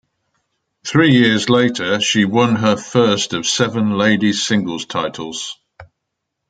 Three years later, she won her first of seven ladies singles titles.